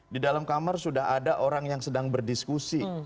di dalam kamar sudah ada orang yang sedang berdiskusi